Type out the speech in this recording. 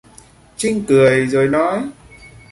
Trinh Cười rồi nói